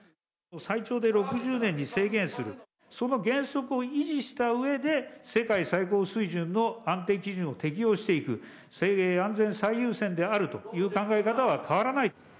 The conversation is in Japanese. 最長で６０年に制限する、その原則を維持したうえで、世界最高水準の安定基準を適用していく、安全最優先であるという考え方は変わらない。